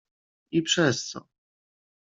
"I przez co?"